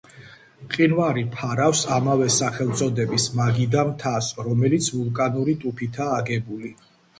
მყინვარი ფარავს ამავე სახელწოდების მაგიდა მთას, რომელიც ვულკანური ტუფითაა აგებული.